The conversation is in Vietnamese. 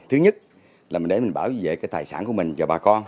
thứ nhất là để mình bảo vệ tài sản của mình và bà con